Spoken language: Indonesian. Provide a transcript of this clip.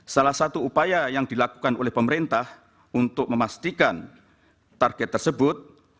salah satu upaya yang dilakukan oleh pemerintah untuk memastikan target tersebut